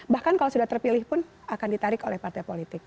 bahkan kalau sudah terpilih pun akan ditarik oleh partai politik